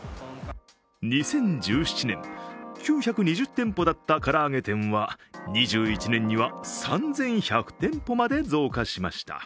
２０１７年、９２０店舗だったから揚げ店は２１年には３１００店舗まで増加しました。